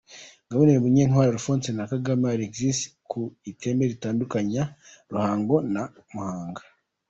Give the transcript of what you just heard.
Guverineri Munyantwali Alphonse na Kagame Alegisi ku iteme ritandukanya Ruhango na Muhanga.